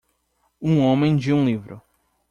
Um homem de um livro